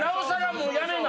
もうやめな。